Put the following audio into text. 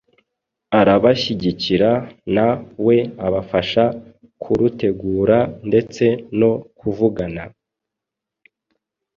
arabashyigikira na we abafashe kurutegura ndetse no kuvugana